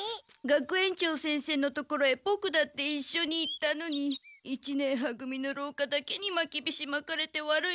学園長先生のところへボクだっていっしょに行ったのに一年は組のろうかだけにまきびしまかれて悪いなって思って。